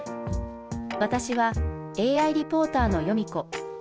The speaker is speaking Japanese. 私はＡＩリポーターのヨミ子。